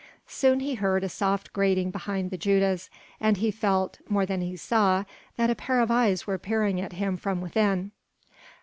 Soon he heard a soft grating behind the judas, and he felt more than he saw that a pair of eyes were peering at him from within.